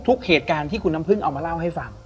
เหตุการณ์ที่คุณน้ำพึ่งเอามาเล่าให้ฟัง